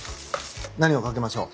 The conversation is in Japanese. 何を掛けましょう？